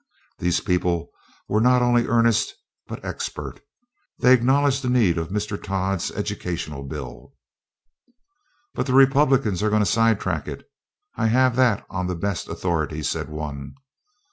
These people were not only earnest, but expert. They acknowledged the need of Mr. Todd's educational bill. "But the Republicans are going to side track it; I have that on the best authority," said one.